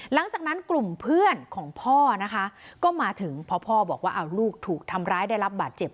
หลังจากนั้นกลุ่มเพื่อนของพ่อนะคะก็มาถึงพอพ่อบอกว่าลูกถูกทำร้ายได้รับบาดเจ็บ